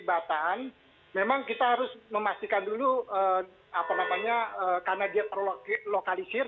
apa namanya karena dia terlokalisir